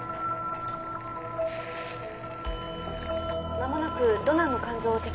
まもなくドナーの肝臓を摘出します。